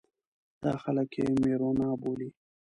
دا خلک یې مېروانا بولي.